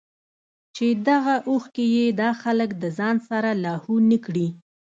چې دغه اوښکې ئې دا خلک د ځان سره لاهو نۀ کړي